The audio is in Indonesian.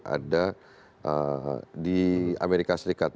ada di amerika serikat